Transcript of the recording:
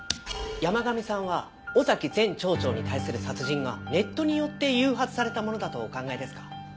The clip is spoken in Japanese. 「山神さんは尾崎前町長に対する殺人がネットによって誘発されたものだとお考えですか？」